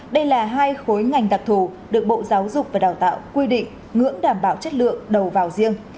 đây là hai khối ngành đặc thù được bộ giáo dục và đào tạo quy định ngưỡng đảm bảo chất lượng đầu vào riêng